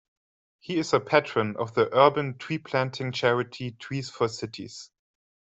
He is a patron of the urban tree-planting charity Trees for Cities.